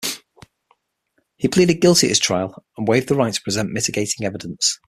He pleaded guilty at his trial and waived the right to present mitigating evidence.